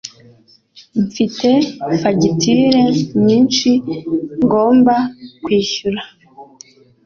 Mfite fagitire nyinshi ngomba kwishyura.